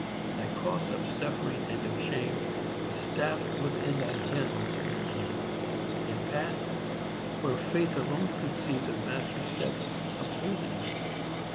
Thy cross of suffering and of shame A staff within thy hands became;— In paths, where Faith alone could see The Master's steps, upholding thee.